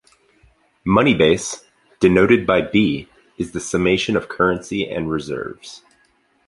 Money Base, denoted by B, is the summation of currency and reserves.